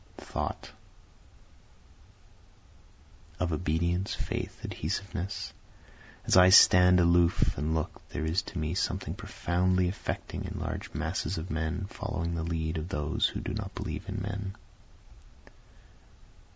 Thought Of obedience, faith, adhesiveness; As I stand aloof and look there is to me something profoundly affecting in large masses of men following the lead of those who do not believe in men.